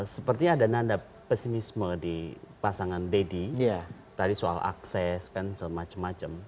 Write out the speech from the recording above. sepertinya ada nanda pesimisme di pasangan deddy tadi soal akses kan macam macam